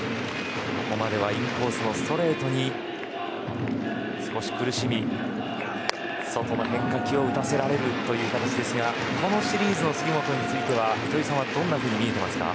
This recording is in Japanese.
ここまではインコースのストレートに少し苦しみ、外の変化球を打たされるという形ですがこのシリーズの杉本については糸井さんはどんなふうに見ていますか。